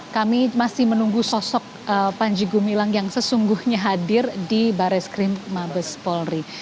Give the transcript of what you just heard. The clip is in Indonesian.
kami masih menunggu sosok panji gumilang yang sesungguhnya hadir di baris krim mabes polri